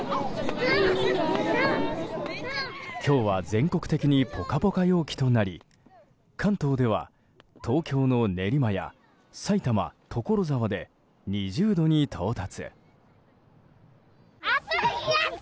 今日は全国的にポカポカ陽気となり関東では、東京の練馬やさいたま、所沢で２０度に到達。